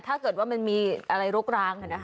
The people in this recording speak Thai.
ถ้าเกิดว่ามันมีอะไรโรคร้างกันนะคะ